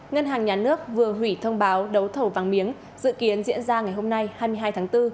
ngân hàng nhà nước vừa hủy thông báo đấu thầu vàng miếng dự kiến diễn ra ngày hôm nay hai mươi hai tháng bốn